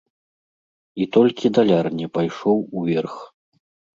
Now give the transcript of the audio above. І толькі даляр не пайшоў уверх.